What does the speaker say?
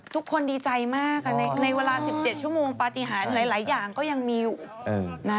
ทุกคนดีใจมากในเวลา๑๗ชั่วโมงปฏิหารหลายอย่างก็ยังมีอยู่นะ